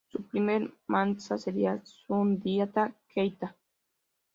Su primer mansa sería Sundiata Keïta.